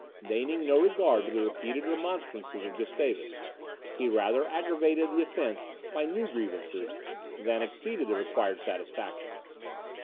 Deigning no regard to the repeated remonstrances of Gustavus, he rather aggravated the offence by new grievances, than acceded the required satisfaction.